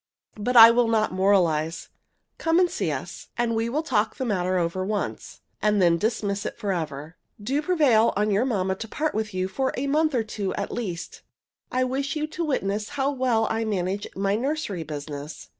But I will not moralize. Come and see us, and we will talk over the matter once, and then dismiss it forever. Do prevail on your mamma to part with you a month or two at least. I wish you to witness how well I manage my nursery business.